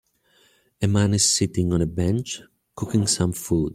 A man is sitting on a bench, cooking some food.